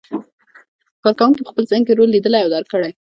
کار کوونکي په خپل ذهن کې رول لیدلی او درک کړی.